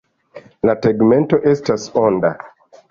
La tegmento estas onda.